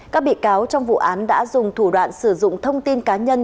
các bị cáo trong vụ án đã dùng thủ đoạn sử dụng thông tin cá nhân